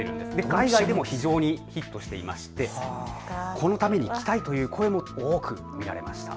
海外でも非常にヒットしていましてこのために来たいという声も多く見られました。